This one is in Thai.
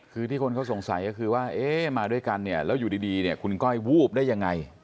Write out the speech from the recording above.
คือที่คนเขาสงสัยก็คือว่ามาด้วยกันแล้วอยู่ดีคุณก้อยวูบได้อย่างไร